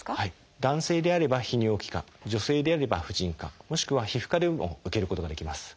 男性であれば泌尿器科女性であれば婦人科もしくは皮膚科でも受けることができます。